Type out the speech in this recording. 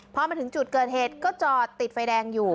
พอมาถึงจุดเกิดเหตุก็จอดติดไฟแดงอยู่